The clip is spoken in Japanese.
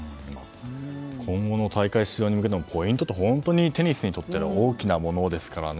今後の大会、試合に向けてポイントというのはテニスにとって大きいものですからね